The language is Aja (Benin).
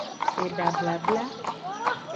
Eda blabla.